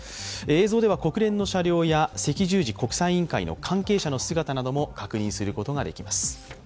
映像では国連の車両や赤十字国際委員会の関係者の姿なども確認することができます。